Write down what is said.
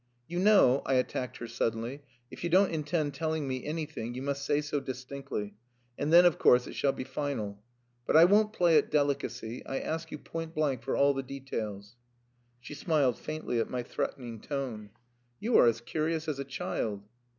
"You know," I attacked her suddenly, "if you don't intend telling me anything, you must say so distinctly, and then, of course, it shall be final. But I won't play at delicacy. I ask you point blank for all the details." She smiled faintly at my threatening tone. "You are as curious as a child."